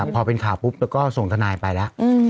พอเป็นข่าวปุ๊บก็ส่งทนายไปละ